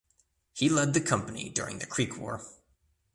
He led the company during the Creek War.